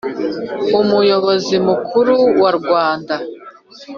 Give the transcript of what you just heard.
Umuyobozi Mukuru wa Rwanda